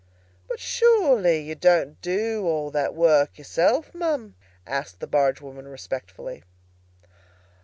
"But surely you don't do all that work yourself, ma'am?" asked the barge woman respectfully.